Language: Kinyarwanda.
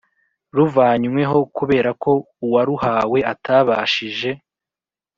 ruvanyweho kubera ko uwaruhawe atabashije